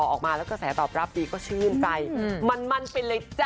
ออกมาแล้วก็แสดงตอบรับดีก็ชื่นใจมันเป็นเลยจ้า